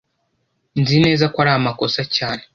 Nzi neza ko ari amakosa cyane